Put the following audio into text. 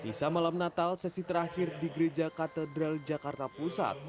misa malam natal sesi terakhir di gereja katedral jakarta pusat